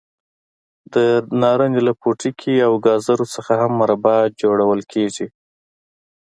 د نارنج له پوټکي او ګازرو څخه هم مربا جوړول کېږي.